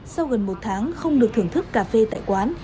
sau gần một tháng không được thưởng thức cà phê tại quán